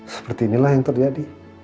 seperti inilah yang terjadi